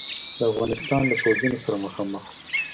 چې د افغانستان له پوځونو سره مخامخ شو.